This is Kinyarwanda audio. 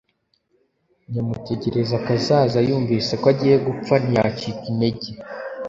Nyamutegerakazaza yumvise ko agiye gupfa ntiyacika integer